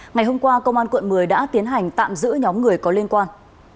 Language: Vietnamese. ngày hôm qua công an quận một mươi đã tiến hành tạm giữ nhóm người có liên quan